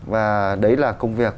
và đấy là công việc